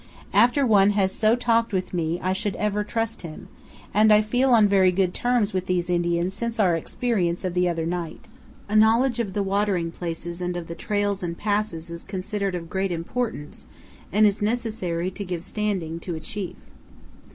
After one has so talked with me I should ever trust him; and I feel on very good terms with these Indians since our experience of the other night. A knowledge of the watering places and of the trails and passes is considered of great importance and is necessary to give standing to a chief.